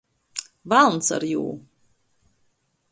Valns ar jū!